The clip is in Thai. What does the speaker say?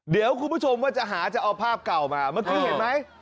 เดี๋ยวคุณผู้ชมว่าจะหาจะเอาภาพเก่ามาเมื่อกี้เห็นไหม